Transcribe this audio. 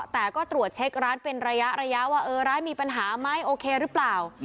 แต่ก็ตรวจเช็คร้านเป็นระยะว่าเออร้านมีปัญหาไหมโอเคหรือเปล่า